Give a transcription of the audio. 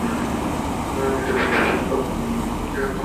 মৃত্যুর পূর্ব পর্যন্ত তিনি সেখানেই কর্মরত ছিলেন।